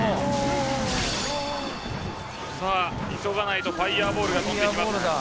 さあ急がないとファイアボールが飛んできます。